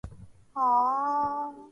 kurejesha utulivu nchini cote de voire